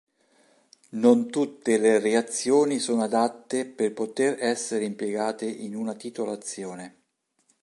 Non tutte le reazioni sono adatte per poter essere impiegate in una titolazione.